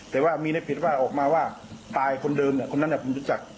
แต่ว่ามีในผีศาลออกมาว่าตายคนเดิมคนนั้นอยากผมบุญจัก